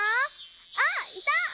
あっいた！